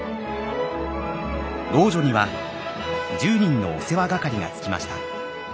老女には１０人のお世話係がつきました。